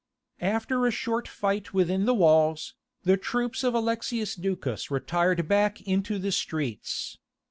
After a short fight within the walls, the troops of Alexius Ducas retired back into the streets.